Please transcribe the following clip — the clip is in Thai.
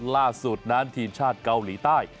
ล่าสุดนั้นทีมชาติเกาหลีใต้